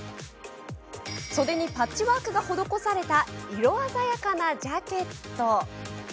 袖にパッチワークが施された色鮮やかなジャケット。